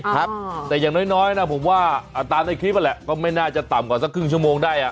ครับแต่อย่างน้อยนะผมว่าตามในคลิปนั่นแหละก็ไม่น่าจะต่ำกว่าสักครึ่งชั่วโมงได้อ่ะ